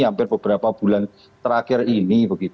hampir beberapa bulan terakhir ini